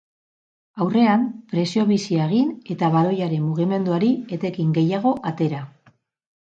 Aurrean presio bizia egin eta baloiaren mugimenduari etekin gehiago atera.